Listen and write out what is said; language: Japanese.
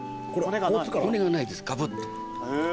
骨がないですがぶっと。